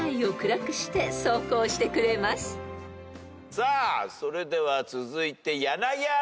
さあそれでは続いて柳原。